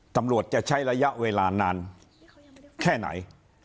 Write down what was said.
ตำรวจจะใช้ระยะเวลานานแค่ไหน